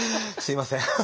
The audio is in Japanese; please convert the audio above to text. すみません。